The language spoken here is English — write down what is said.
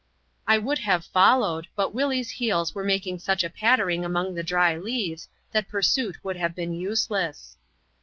I would have followed ; but Willie's heels were making such a pattering among the dry leaves, that pursuit would have been useless.